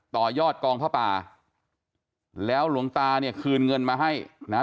ต่อยอดกองผ้าป่าแล้วหลวงตาเนี่ยคืนเงินมาให้นะฮะ